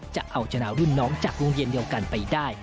จะเอาชนะรุ่นน้องจากโรงเรียนเดียวกันไปได้